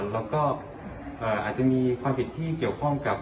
แล้วก็อาจจะมีความผิดที่เกี่ยวข้องกับ